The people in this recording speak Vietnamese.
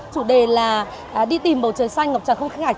chủ đề là đi tìm bầu trời xanh ngọc tràn không khí hạch